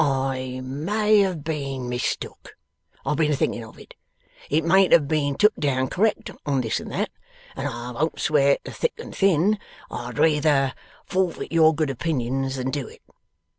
"I may have been mistook, I've been a thinking of it, it mayn't have been took down correct on this and that, and I won't swear to thick and thin, I'd rayther forfeit your good opinions than do it."